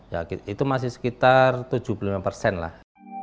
ya itu masih sekitar tujuh puluh lima persen lah